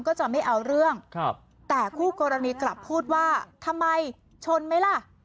ก็จะไม่เอาเรื่องครับแต่คู่กรณีกลับพูดว่าทำไมชนไหมล่ะ